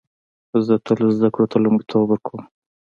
زه تل زده کړو ته لومړیتوب ورکوم